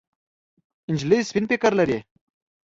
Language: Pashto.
نجلۍ سپين فکر لري.